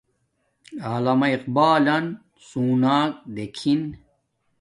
علامہ اقبالن سُوناک دیکھن